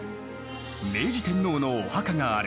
明治天皇のお墓がある